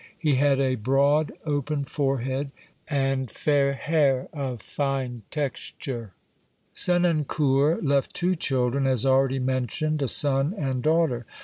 He had a broad, open forehead and fair hair of fine texture. Senancour left two children, as already mentioned, a son and daughter.